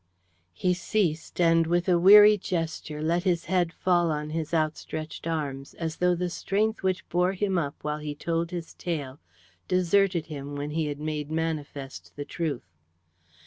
He ceased, and with a weary gesture, let his head fall on his outstretched arms, as though the strength which bore him up while he told his tale deserted him when he had made manifest the truth.